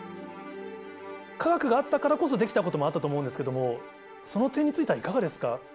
科学があったからこそできたこともあったと思うんですけれども、その点についてはいかがです